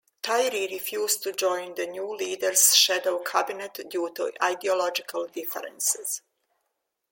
Tyrie refused to join the new leader's shadow cabinet due to ideological differences.